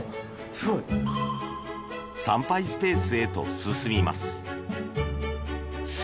参拝スペースへと進みます。